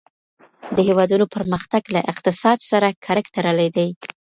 د هېوادونو پرمختګ له اقتصاد سره کلک تړلی دی.